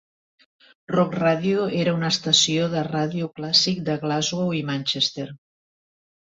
Rock Radio era una estació de ràdio clàssic de Glasgow i Manchester.